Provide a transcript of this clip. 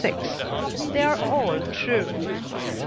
they are all true.